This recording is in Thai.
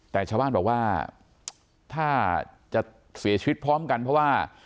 แต่ชาวบ้านบอกว่าถ้าจะเสียชีวิตพร้อมกันเพราะว่า